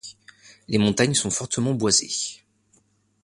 Les montagnes sont fortement boisées.